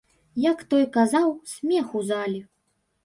Як той казаў, смех у залі.